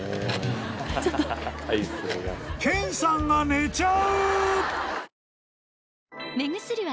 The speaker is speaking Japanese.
［研さんが寝ちゃう！］